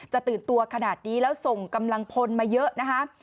ตื่นตัวขนาดนี้แล้วส่งกำลังพลมาเยอะนะคะ